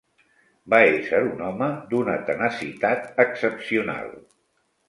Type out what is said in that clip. Va ésser un home d'una tenacitat excepcional.